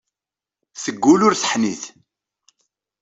Teggull ur teḥnit.